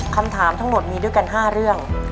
คำถามทั้งหมดมีด้วยกัน๕เรื่อง